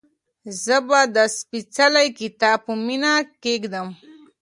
زه به دا سپېڅلی کتاب په مینه کېږدم.